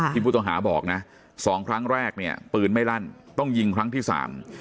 ผู้ต้องหาบอกนะสองครั้งแรกเนี่ยปืนไม่ลั่นต้องยิงครั้งที่สาม